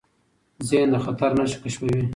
ذهن د خطر نښې کشفوي.